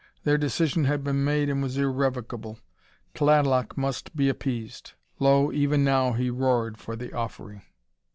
Their decision had been made and was irrevocable. Tlaloc must be appeased. Lo, even now he roared for the offering!